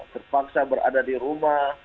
terpaksa berada di rumah